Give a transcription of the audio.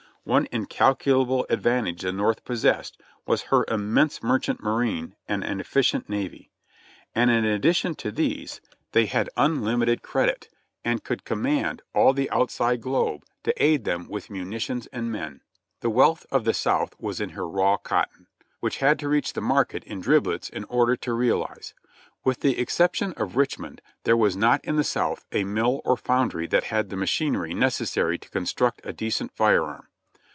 One incalculable ad vantage the North possessed was her immense merchant marine and an efiicient navy; and in addition to these they had unlimited 22 JOHNNY REB AND BIIvLY YANK credit, and could command all the outside globe to aid them with munitions and men. The wealth of the South was in her raw cotton, which had to reach the market in driblets in order to realize. With the excep tion of Richmond, there was not in the South a mill or foundry that had the machinery necessary to construct a decent fire arm.